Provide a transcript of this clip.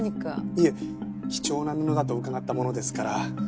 いえ貴重な布だと伺ったものですから。